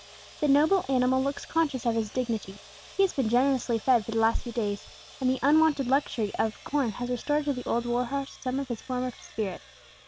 The noble animal looks conscious of his dignity; he has been generously fed for the last few days, and the unwonted luxury of corn has restored to the old war horse some of his former spirit.